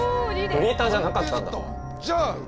フリーターじゃなかったんだね。